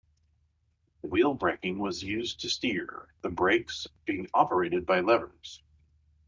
Wheel braking was used to steer, the brakes being operated by levers.